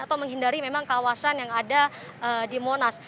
atau menghindari memang kawasan yang ada di monas